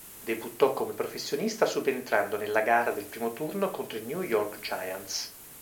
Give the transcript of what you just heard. Debuttò come professionista subentrando nella gara del primo turno contro i New York Giants.